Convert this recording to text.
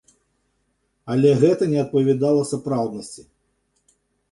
Але гэта не адпавядала сапраўднасці.